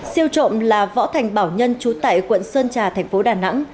siêu trộm là võ thành bảo nhân trú tại quận sơn trà thành phố đà nẵng